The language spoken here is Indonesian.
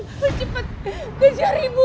bisa jatuh kayak gini